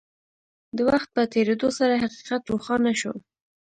د وخت په تېرېدو سره حقيقت روښانه شو.